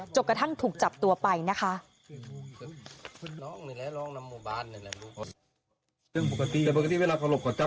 กระทั่งถูกจับตัวไปนะคะ